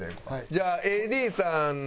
じゃあＡＤさん。